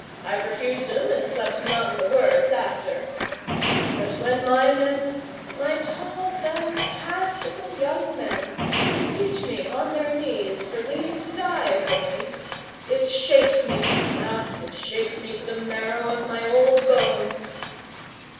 I've refused 'em, and slept none the worse after; but when my men, my tall, fantastical young men, beseech me on their knees for leave to die for me, it shakes me ah, it shakes me to the marrow of my old bones.